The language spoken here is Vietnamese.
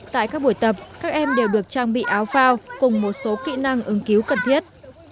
tại các buổi tập các em đều được trang bị áo phao cùng một số kỹ năng ứng cứu cần thiết